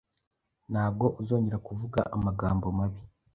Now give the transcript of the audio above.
Ntabwo uzongera kuvuga amagambo mabi